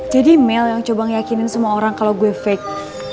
jadi mel yang coba ngeyakinin semua orang kalo gue fake